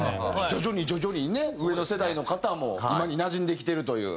徐々に徐々にね上の世代の方も今になじんできてるという。